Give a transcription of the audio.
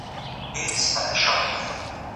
زه پرون د تکړښت لپاره وم!؟